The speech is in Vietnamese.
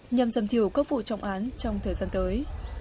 nhằm giảm thiểu các vụ trọng án trong thời gian tới